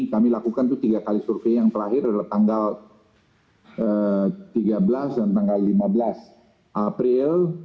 kami lakukan itu tiga kali survei yang terakhir adalah tanggal tiga belas dan tanggal lima belas april